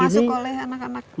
termasuk oleh anak anak muda